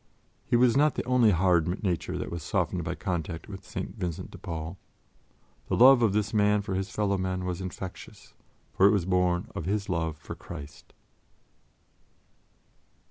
His was not the only hard nature that was softened by contact with St. Vincent de Paul. The love of this man for his fellow men was infectious, for it was born of his love for Christ.